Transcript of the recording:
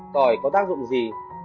tỏi có tác dụng gì